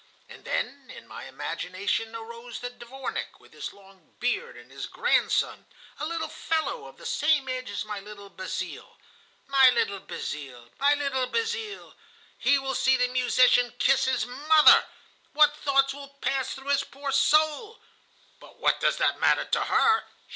And then, in my imagination arose the dvornik, with his long beard, and his grandson, a little fellow of the same age as my little Basile. My little Basile! My little Basile! He will see the musician kiss his mother! What thoughts will pass through his poor soul! But what does that matter to her!